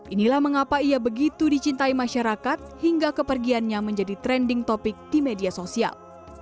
inilah mengapa ia begitu dicintai masyarakat hingga kepergiannya menjadi trending topic di media sosial